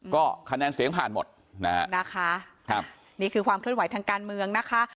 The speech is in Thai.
ก็คะแนนเสียงผ่านหมดนะฮะครับนี่คือความเคลื่อนไหวทางการเมืองนะคะ